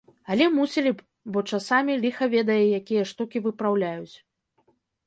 Але мусілі б, бо часамі ліха ведае якія штукі выпраўляюць.